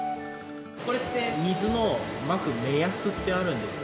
これって水の撒く目安ってあるんですか？